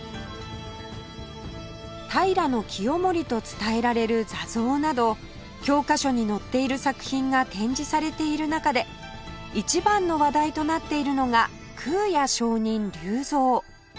平清盛と伝えられる坐像など教科書に載っている作品が展示されている中で一番の話題となっているのが空也上人立像